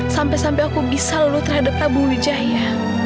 sampai sampai aku bisa luluh terhadap prabu wijaya